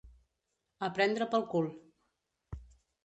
A prendre pel cul.